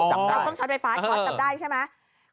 แล้วเครื่องช็อตไฟฟ้าช็อตจำได้ใช่ไหม